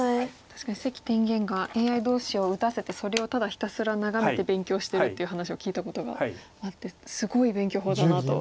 確かに関天元がＡＩ同士を打たせてそれをただひたすら眺めて勉強してるって話を聞いたことがあってすごい勉強法だなと。